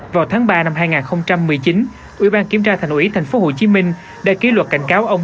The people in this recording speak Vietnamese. vào tháng ba năm hai nghìn một mươi chín ủy ban kiểm tra thành ủy tp hcm đã ký luật cảnh cáo ông